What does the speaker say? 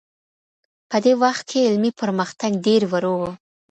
په دې وخت کي علمي پرمختګ ډېر ورو و.